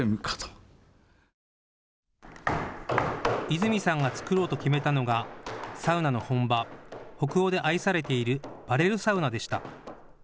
泉さんが作ろうと決めたのがサウナの本場、北欧で愛されているバレルサウナでした。